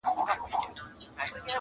زه یې نه سمه لیدلای چي ستا ښکار وي-